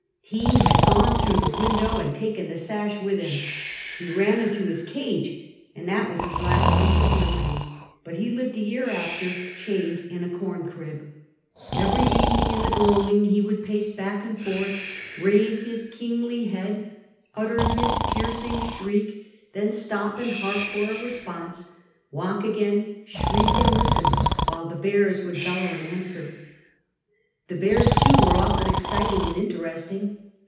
He had gone through the window and taken the sash with him. He ran into his cage, and that was his last taste of liberty ; but he lived a year after, chained in a corn crib. Every even Rights of Maeeied Women. 101 ing in tlie gloaming he would pace back and forth, raise his kingly head, utter his piercing shriek, then stop and hark for a response; walk again, shriek and listen, while the bears would bellow an answer. The bears, too, were often exciting and interesting.